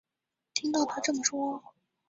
听到她这么说